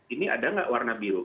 ini ada nggak warna biru